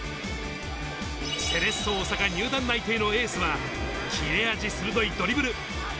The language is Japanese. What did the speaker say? セレッソ大阪入団内定のエースは、切れ味鋭いドリブル。